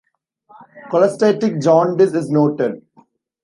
Cholestatic jaundice is noted.